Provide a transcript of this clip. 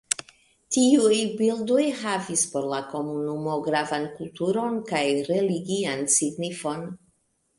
Tiuj bildoj havis por la komunumo gravan kulturan kaj religian signifon.